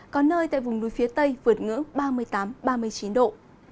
có nơi tại vùng núi phía tây vượt ngưỡng ba mươi tám ba mươi chín độ